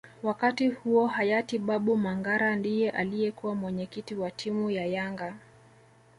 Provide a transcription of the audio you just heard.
Wakati huo Hayati Tabu Mangara ndiye aliyekuwa mwenyekiti wa timu ya yanga